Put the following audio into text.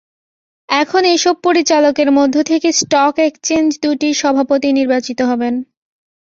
এখন এসব পরিচালকের মধ্য থেকে স্টক এক্সচেঞ্জ দুটির সভাপতি নির্বাচিত হবেন।